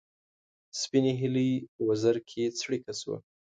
سپینې هیلۍ وزر کې څړیکه شوه